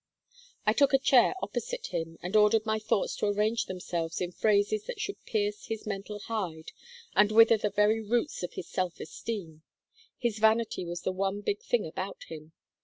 "I took a chair opposite him and ordered my thoughts to arrange themselves in phrases that should pierce his mental hide and wither the very roots of his self esteem his vanity was the one big thing about him.